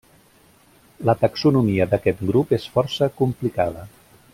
La taxonomia d'aquest grup és força complicada.